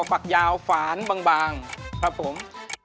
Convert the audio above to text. เอกลักษณะของกุ๊ตเตี๋ยวสุปโภไทน์คือจะ